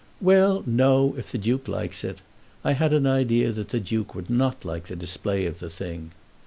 "Well, no; if the Duke likes it. I had an idea that the Duke would not like the display of the thing.